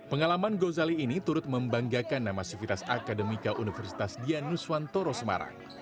pengalaman gozali ini turut membanggakan nama sivitas akademika universitas dianuswantoro semarang